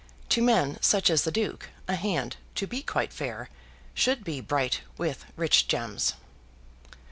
To men such as the Duke, a hand, to be quite fair, should be bright with rich gems.